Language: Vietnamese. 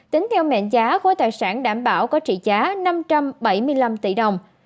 tính theo mệnh giá khối tài sản đảm bảo có trị giá năm trăm bảy mươi năm tỷ đồng